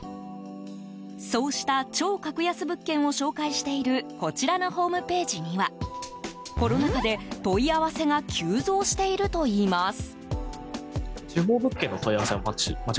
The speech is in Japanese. そうした超格安物件を紹介しているこちらのホームページにはコロナ禍で、問い合わせが急増しているといいます。